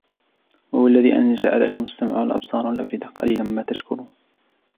وهو الذي أنشأ لكم السمع والأبصار والأفئدة قليلا ما تشكرون